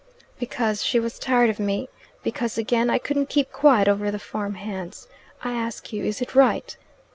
"Because she was tired of me. Because, again, I couldn't keep quiet over the farm hands. I ask you, is it right?"